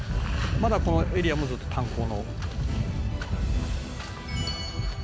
「まだこのエリアもずっと炭鉱の」